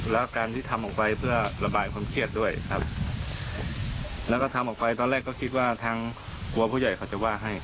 แล้วการที่ทำออกไปเพื่อระบายความเครียดด้วยครับแล้วก็ทำออกไปตอนแรกก็คิดว่าทางกลัวผู้ใหญ่เขาจะว่าให้